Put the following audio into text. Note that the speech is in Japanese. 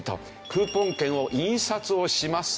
クーポン券を印刷をします。